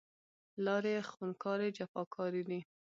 لارې خونکارې، جفاکارې دی